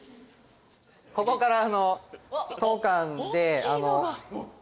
ここから。